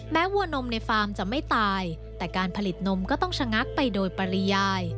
วัวนมในฟาร์มจะไม่ตายแต่การผลิตนมก็ต้องชะงักไปโดยปริยาย